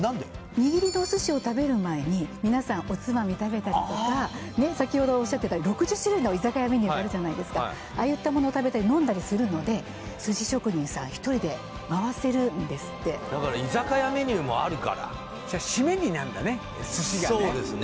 握りのお寿司を食べる前に皆さんおつまみ食べたりとか先ほどおっしゃってたように６０種類の居酒屋メニューがあるああいったものを食べたり飲んだりするので寿司職人さん１人で回せるんですってだから居酒屋メニューもあるからシメになんだね寿司がね